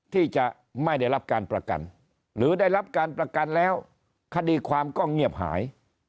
ที่จะไม่ได้รับการประกันหรือได้รับการประกันแล้วคดีความก็เงียบหาย